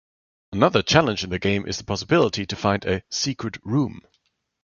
Another challenge in the game is the possibility to find a "secret room".